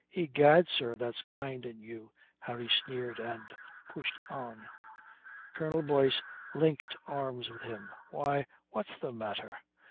"Egad, sir, that's kind in you," Harry sneered and pushed on. Colonel Boyce linked arms with him. "Why, what's the matter?